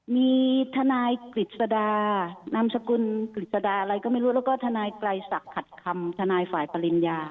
มีทนายกฤษดานามสกุลกฤษฎาอะไรก็ไม่รู้แล้วก็ทนายไกลศักดิ์ขัดคำทนายฝ่ายปริญญา